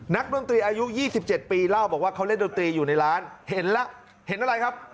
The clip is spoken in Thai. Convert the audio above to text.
ดนตรีอายุ๒๗ปีเล่าบอกว่าเขาเล่นดนตรีอยู่ในร้านเห็นแล้วเห็นอะไรครับ